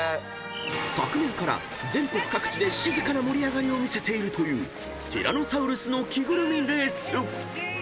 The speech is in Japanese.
［昨年から全国各地で静かな盛り上がりを見せているというティラノサウルスの着ぐるみレース］